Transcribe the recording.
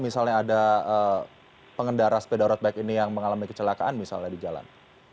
misalnya ada pengendara sepeda road bike ini yang mengalami kecelakaan misalnya di jalan